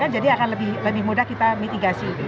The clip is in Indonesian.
jadi akan lebih mudah kita mitigasi